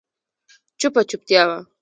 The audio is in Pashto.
چوپه چوپتيا وه.